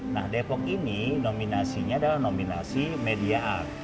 nah depok ini nominasi media art